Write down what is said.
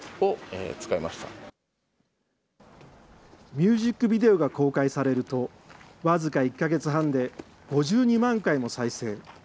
ミュージックビデオが公開されると、僅か１か月半で５２万回も再生。